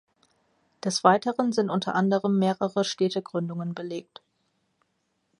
Des Weiteren sind unter anderem mehrere Städtegründungen belegt.